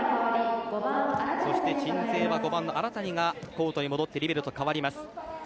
鎮西は５番の荒谷がコートに戻ってリベロと代わります。